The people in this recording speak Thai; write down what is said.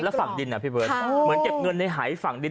แล้วฝั่งดินอ่ะพี่เบิร์ตเหมือนเก็บเงินในหายฝั่งดิน